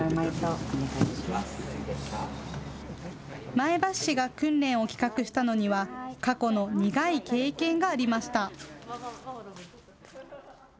前橋市が訓練を企画したのには過去の苦い経験がありました。